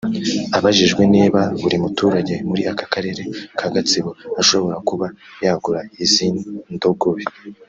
Abajijwe niba buri muturage muri aka karere ka Gatsibo ashobora kuba yagura izi Ndogobe